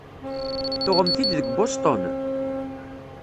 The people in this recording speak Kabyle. Tuɣemt-t-id deg Boston?